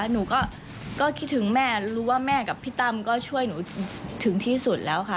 หนูก็คิดถึงแม่รู้ว่าแม่กับพี่ตั้มก็ช่วยหนูถึงที่สุดแล้วค่ะ